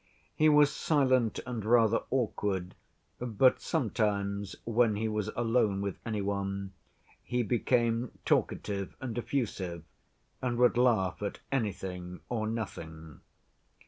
He was silent and rather awkward, but sometimes, when he was alone with any one, he became talkative and effusive, and would laugh at anything or nothing.